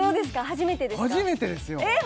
初めてですよえー